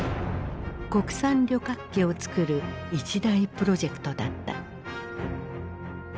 国産旅客機をつくる一大プロジェクトだった。